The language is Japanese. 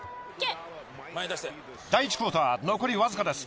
第１クォーター残りわずかです。